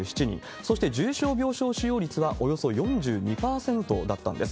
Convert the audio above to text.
そして重症病床使用率はおよそ４２％だったんです。